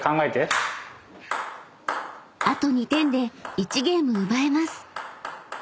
［あと２点で１ゲーム奪えます］